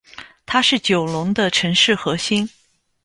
它是九龙的城市核心。